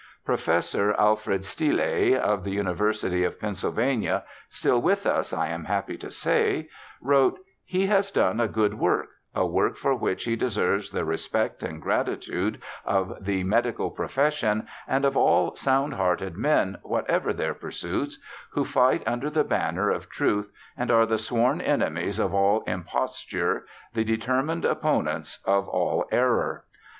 Professor Alfred Stille, of the University of Pennsylvania (still with us, I am happy to say), wrote, ' He has done a good work, a work for which he deserves the respect and grati tude of the medical profession, and of all sound hearted men, whatever their pursuits, who fight under the banner of truth, and are the sworn foes of all imposture, the determined opponents of all error.'